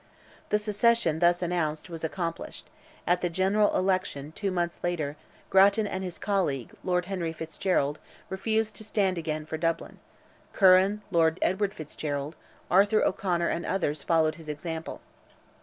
The secession thus announced was accomplished; at the general election, two months later, Grattan and his colleague, Lord Henry Fitzgerald, refused to stand again for Dublin; Curran, Lord Edward Fitzgerald, Arthur O'Conor, and others, followed his example.